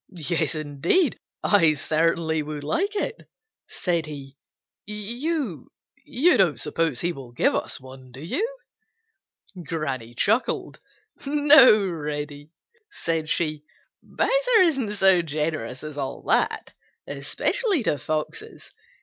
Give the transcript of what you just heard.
Yes, indeed, I certainly would like it," said he. "You—you don't suppose he will give us one, do you?" Granny chuckled. "No, Reddy," said she. "Bowser isn't so generous as all that, especially to Foxes.